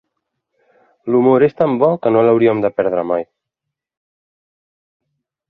L'humor és tant bo que no l'hauríem de perdre mai.